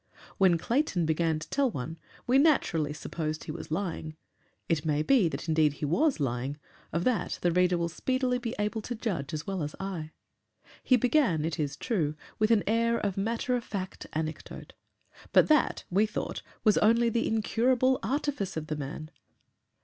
When Clayton began to tell one, we naturally supposed he was lying. It may be that indeed he was lying of that the reader will speedily be able to judge as well as I. He began, it is true, with an air of matter of fact anecdote, but that we thought was only the incurable artifice of the man.